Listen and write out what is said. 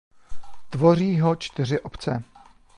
Tvoří ho čtyři obce.